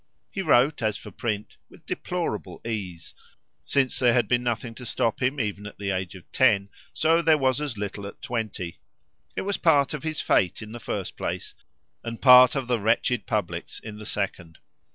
He wrote, as for print, with deplorable ease; since there had been nothing to stop him even at the age of ten, so there was as little at twenty; it was part of his fate in the first place and part of the wretched public's in the second.